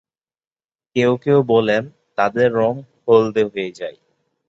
কেউ কেউ বলেন, তাদের রং হলদে হয়ে যায়।